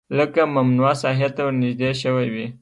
لکه ممنوعه ساحې ته ورنژدې شوی وي